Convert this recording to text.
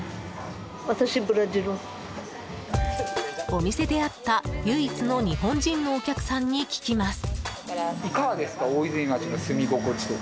お店で会った唯一の日本人のお客さんに聞きます。